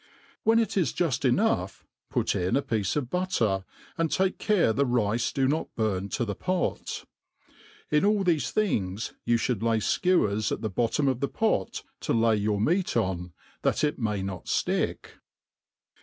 When it is juil enough put in a piece of butcer, and take care the rice do not burn to the pot. In a)l thefe thjngs you fhtould lay (kewers at the bottom of the pfot cb lay your meat on, that it may not flick.